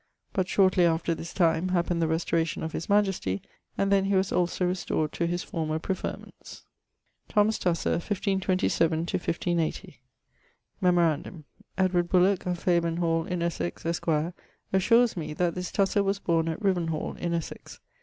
But shortly after this time, happened the restauration of his majestie, and then he was also restored to his former preferments. =Thomas Tusser= (1527 1580). Memorandum: Edward Bullock, of Fayburne hall, in Essex, esq. assures me, that this Tusser was borne at Riven hall in Essex.